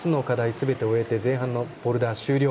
すべて終えて前半のボルダー終了。